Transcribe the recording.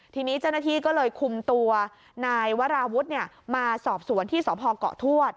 ทีนี้เจ้าหน้าที่ก็เลยคุมตัวนายวราวุฒิมาสอบสวนที่สพเกาะทวด